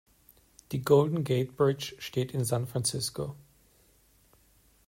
Die Golden Gate Bridge steht in San Francisco.